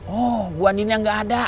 oh bu andinnya gak ada